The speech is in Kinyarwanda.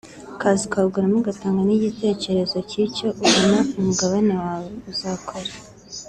ukaza ukawuguramo ugatanga n’igitekerezo cy’icyo ubona umugabane wawe uzakora